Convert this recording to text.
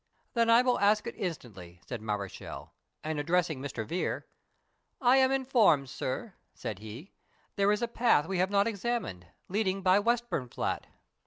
"Then I will ask it instantly," said Mareschal; and, addressing Mr. Vere, "I am informed, sir," said he, "there is a path we have not examined, leading by Westburnflat."